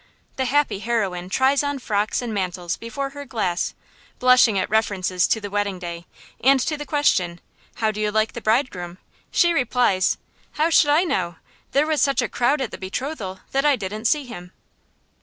The happy heroine tries on frocks and mantles before her glass, blushing at references to the wedding day; and to the question, "How do you like the bridegroom?" she replies, "How should I know? There was such a crowd at the betrothal that I didn't see him."